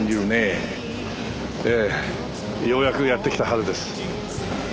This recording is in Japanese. ええようやくやってきた春です。